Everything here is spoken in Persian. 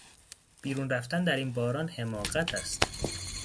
بیرون رفتن در این باران حماقت است.